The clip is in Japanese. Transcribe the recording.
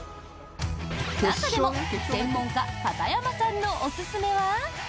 中でも、専門家・片山さんのおすすめは。